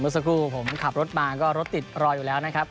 สักครู่ผมขับรถมาก็รถติดรออยู่แล้วนะครับ